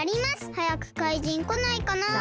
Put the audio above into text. はやくかいじんこないかなあ。